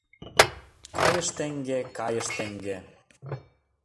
Кайыш теҥге, кайыш теҥге